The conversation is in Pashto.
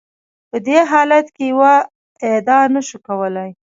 په دې حالت کې یوه ادعا نشو کولای.